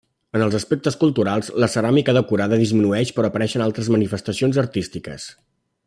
En els aspectes culturals, la ceràmica decorada disminueix però apareixen altres manifestacions artístiques.